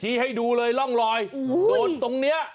ให้ดูเลยร่องรอยโดนตรงนี้